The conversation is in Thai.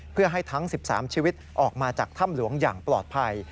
เพื่อให้ทั้ง๑๓ชีวิตออกมาจากถ้ำหลวงอย่างปลอดภัย